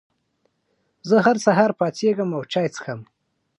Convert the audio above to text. زه هر سهار پاڅېږم او چای څښم.